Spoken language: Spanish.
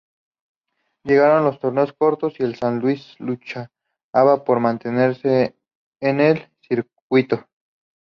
Llegaron los torneos cortos y el San Luis luchaba por mantenerse en el circuito.